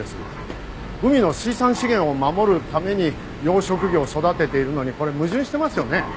海の水産資源を守るために養殖魚を育てているのにこれ矛盾してますよね？